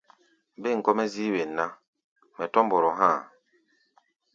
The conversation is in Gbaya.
Bêm kɔ́-mɛ́ zíí wen ná, mɛ tɔ̧́ mbɔrɔ há̧ a̧.